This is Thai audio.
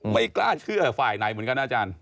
ไม่กล้าเชื่อฝ่ายไหนเหมือนกันนะอาจารย์